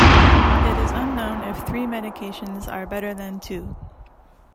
It is unknown if three medications are better than two.